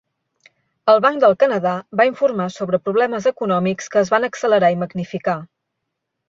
El Banc del Canadà va informar sobre problemes econòmics que es van accelerar i magnificar.